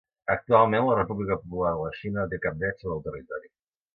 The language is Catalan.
Actualment, la República Popular de la Xina no té cap dret sobre el territori.